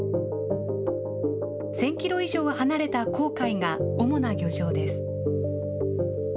１０００キロ以上離れた公海が主な漁場です。